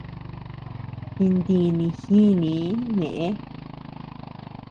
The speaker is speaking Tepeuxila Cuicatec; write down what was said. Jintini jinii ñeʼe.